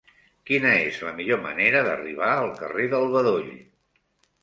Quina és la millor manera d'arribar al carrer del Bedoll?